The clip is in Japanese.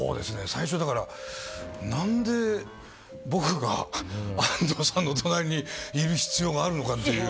最初、何で僕が安藤さんの隣にいる必要があるのかっていう。